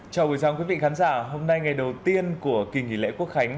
chào quý vị khán giả hôm nay ngày đầu tiên của kỳ nghỉ lễ quốc khánh